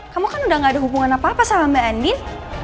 kamu kan udah gak ada hubungan apa apa sama mbak andi